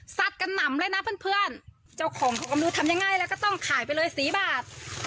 กันหนำเลยนะเพื่อนเพื่อนเจ้าของเขาก็ไม่รู้ทำยังไงแล้วก็ต้องขายไปเลยสี่บาท